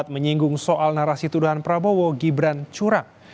menyinggung soal narasi tuduhan prabowo gibran curang